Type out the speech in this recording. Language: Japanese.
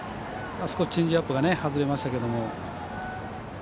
少しチェンジアップが外れましたけど。